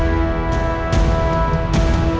tidak ada yang bisa dihukum